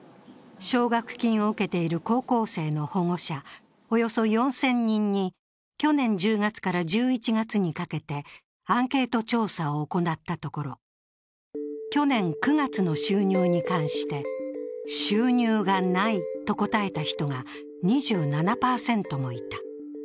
奨学金を受けている高校生の保護者、およそ４０００人に去年１０月から１１月にかけてアンケート調査を行ったところ、去年９月の収入に関して収入がないと答えた人が２７％もいた。